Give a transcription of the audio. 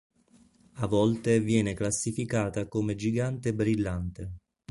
A volte viene classificata come gigante brillante.